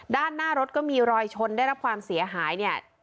ด้านหน้ารถก็มีรอยชนได้รับความเสียหายเนี่ย